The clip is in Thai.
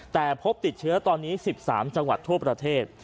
แต่พบติดเชื้อตอนนี้๑๓จังหวัดทั่วประเทศ